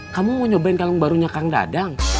kamu mau nyobain kalung barunya kang dadang